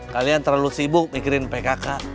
kalian terlalu sibuk mikirin pkk